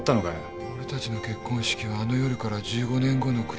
俺たちの結婚式はあの夜から１５年後のクリスマスイブ。